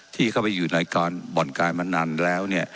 ที่เข้าไปอยู่ในการบ่อนการพนันแล้วเนี่ย